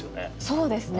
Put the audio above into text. そうですね。